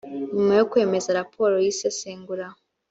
nyuma yo kwemeza raporo y isesengura